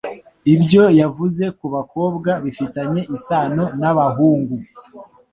Ibyo yavuze kubakobwa bifitanye isano nabahungu.